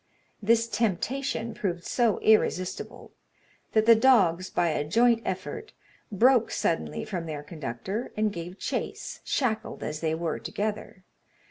This temptation proved so irresistible, that the dogs, by a joint effort, broke suddenly from their conductor, and gave chase, shackled as they were together.